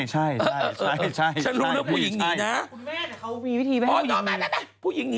จากกระแสของละครกรุเปสันนิวาสนะฮะ